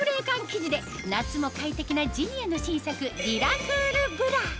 生地で夏も快適なジニエの新作リラクールブラ